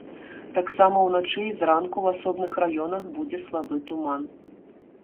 Таксама ўначы і зранку ў асобных раёнах будзе слабы туман.